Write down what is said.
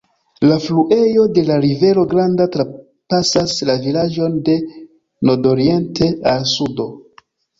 La fluejo de la Rivero Granda trapasas la vilaĝon de nordoriente al sudo.